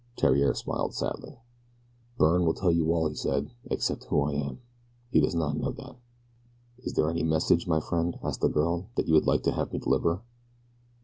Theriere smiled sadly. "Byrne will tell you all," he said, "except who I am he does not know that." "Is there any message, my friend," asked the girl, "that you would like to have me deliver?"